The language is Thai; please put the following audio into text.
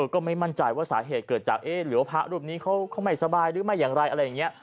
ก็ไม่มั่นใจว่าสาเหตุเกิดจากหรือว่าพระรูปนี้เขาไม่สบายหรือไม่อย่างไร